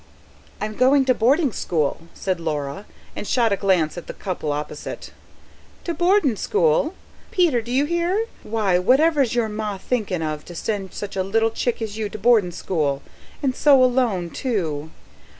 "I'm going to boarding school," said Laura, and shot a glance at the couple opposite. "To boardin' school? Peter! D'you hear? Why, whatever's your ma thinkin' of to send such a little chick as you to boardin' school? ... and so alone, too."